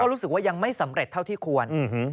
รู้สึกว่ายังไม่สำเร็จเท่าที่ควร